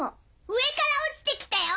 上から落ちて来たよ。